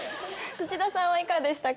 土田さんはいかがでしたか？